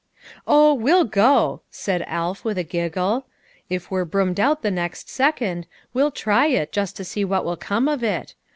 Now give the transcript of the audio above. "Oh ! we'll go," said Alf, with a giggle; " if we are broomed out the next second, we'll try it, just to see what will come of it.